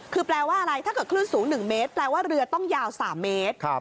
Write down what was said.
คือแปลว่าอะไรถ้าเกิดคลื่นสูง๑เมตรแปลว่าเรือต้องยาว๓เมตร